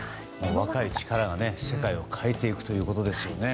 若い力が世界を変えていくということですよね。